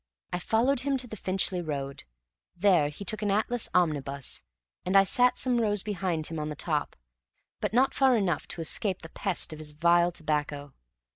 I followed him to the Finchley Road. There he took an Atlas omnibus, and I sat some rows behind him on the top, but not far enough to escape the pest of his vile tobacco.